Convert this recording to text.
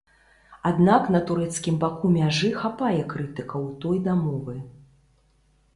Аднак на турэцкім баку мяжы хапае крытыкаў той дамовы.